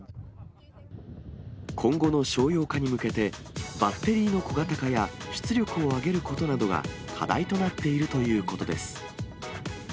今後の商用化に向けて、バッテリーの小型化や出力を上げることなどが課題となっているということです。